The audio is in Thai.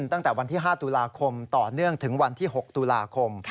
ตั้งแต่วันที่๕ตุลาคมต่อเนื่องถึงวันที่๖ตุลาคม